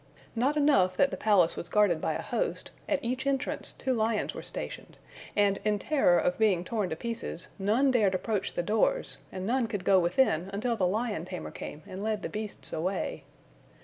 " Not enough that the palace was guarded by a host, at each entrance two lions were stationed, and in terror of being torn to pieces none dared approach the doors, and none could go within until the lion tamer came and led the beasts away.